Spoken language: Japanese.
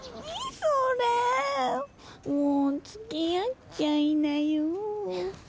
それもうつきあっちゃいなよ